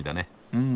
うん。